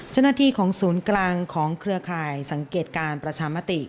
เจ้าหน้าที่ของศูนย์กลางของเครือข่ายสังเกตการประชามติ